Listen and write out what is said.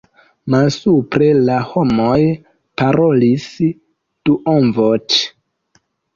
Malsupre la homoj parolis duonvoĉe.